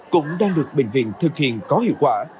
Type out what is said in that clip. cũng đang được bệnh viện thực hiện có hiệu quả